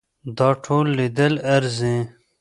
دا ټول لیدل ارزي.